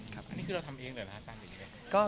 การทำเรื่องนี้ทำกับค่ายด้วยครับ